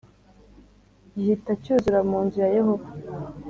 gihita cyuzura mu nzu ya Yehova